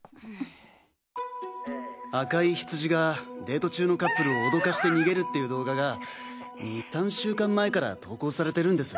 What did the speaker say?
赤いヒツジがデート中のカップルを脅かして逃げるっていう動画が２３週間前から投稿されてるんです。